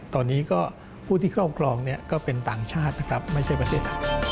ตอนนี้ผู้ที่เข้ากรองก็เป็นต่างชาติไม่ใช่ประเทศ